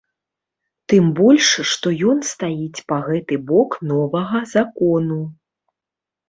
Тым больш што ён стаіць па гэты бок новага закону.